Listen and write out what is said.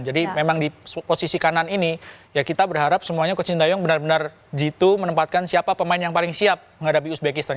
jadi memang di posisi kanan ini kita berharap semuanya coach sintayong benar benar menempatkan siapa pemain yang paling siap menghadapi uzbekistan